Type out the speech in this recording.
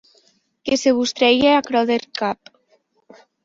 Que se vos trèigue aquerò deth cap.